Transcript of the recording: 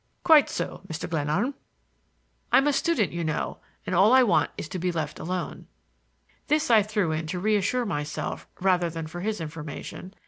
"Quite so, Mr. Glenarm." "I'm a student, you know, and all I want is to be left alone." This I threw in to reassure myself rather than for his information.